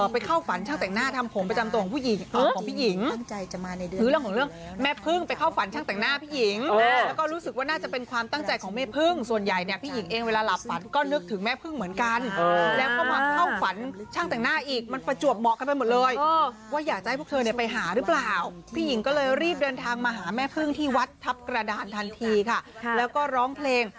ไปเข้าฝันช่างแต่งหน้าทำโผงประจำตัวของผู้หญิง